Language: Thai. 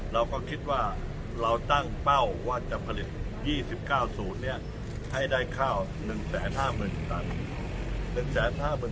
เราก็คิดว่าเราตั้งเป้าว่าจะผลิต๒๙สูตรให้ได้ข้าว๑๕๐๐๐ตัน